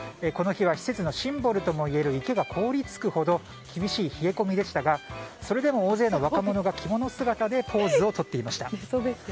この日は施設のシンボルともいえる池が凍り付くほど厳しい冷え込みでしたがそれでも大勢の若者が着物姿でポーズをとっていました。